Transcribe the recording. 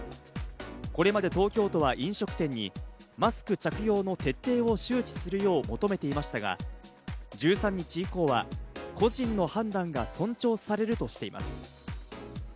これまで東京都は飲食店にマスク着用の徹底を周知するよう求めていましたが、１３日以降は個人の判断が尊重されるとしています。